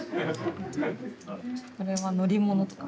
これは乗り物とか。